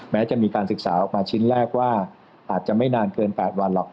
แม้จะมีการศึกษาออกมาชิ้นแรกว่าอาจจะไม่นานเกิน๘วันหรอก